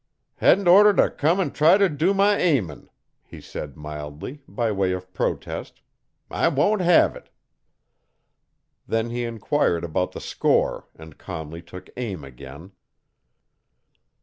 'Hedn't orter t' come an' try t' dew my aimin',' he said mildly, by way of protest, 'I won't hev it.' Then he enquired about the score and calmly took aim again.